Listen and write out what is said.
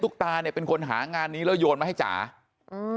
ตาเนี่ยเป็นคนหางานนี้แล้วโยนมาให้จ๋าอืม